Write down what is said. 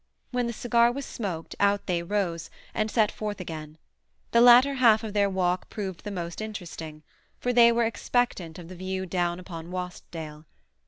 When the cigar was smoked out they rose and set forward again. This latter half of their walk proved the most interesting, for they were expectant of the view down upon Wastdale.